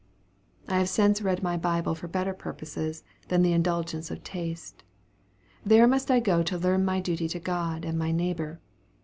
I have since read my Bible for better purposes than the indulgence of taste. There must I go to learn my duty to God and my neighbor.